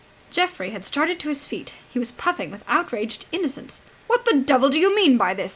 Geoffrey had started to his feet. He was puffing with outraged innocence. "What the devil do you mean by this?"